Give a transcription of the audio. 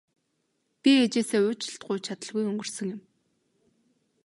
Би ээжээсээ уучлалт гуйж чадалгүй өнгөрсөн юм.